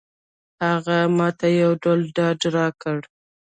هغه ماته یو ډول ډاډ راکړ.